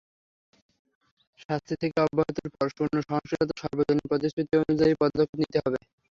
শাস্তি থেকে অব্যাহতির প্রতি শূন্য সহনশীলতার সর্বজনীন প্রতিশ্রুতি অনুযায়ী পদক্ষেপ নিতে হবে।